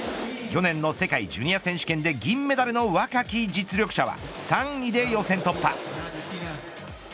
去年の世界ジュニア選手権で銀メダルの若き実力者は３位で予選突破。